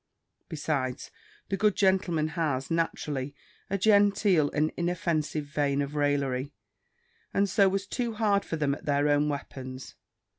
Besides, the good gentleman has, naturally, a genteel and inoffensive vein of raillery, and so was too hard for them at their own weapons.